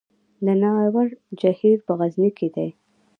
د ناور جهیل په غزني کې دی